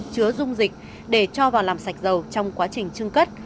chứa dung dịch để cho vào làm sạch dầu trong quá trình trưng cất